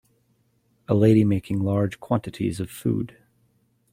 A lady making large quantities of food.